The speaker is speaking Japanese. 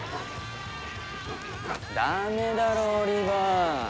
ダメだろオリバー。